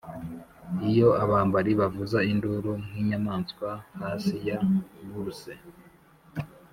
iyo abambari bavuza induru nk'inyamaswa hasi ya bourse,